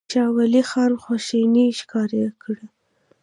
شاه ولي خان خواشیني ښکاره کړې وه.